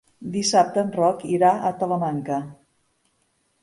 Dissabte en Roc irà a Talamanca.